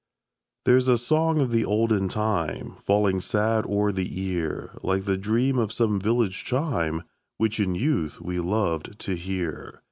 There's a song of the olden time, Falling sad o'er the ear, Like the dream of some village chime, Which in youth we loved to hear.